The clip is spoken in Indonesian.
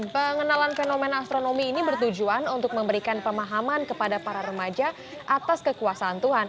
pengenalan fenomena astronomi ini bertujuan untuk memberikan pemahaman kepada para remaja atas kekuasaan tuhan